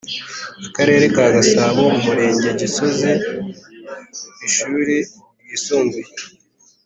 Akarere ka gasabo umurenge gisozi ishuri ryisumbuye